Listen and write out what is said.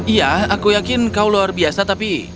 iya aku yakin kau luar biasa tapi